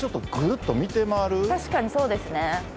確かにそうですね。